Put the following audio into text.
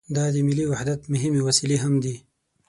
دا د ملي وحدت مهمې وسیلې هم دي.